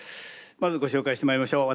まずご紹介してまいりましょう。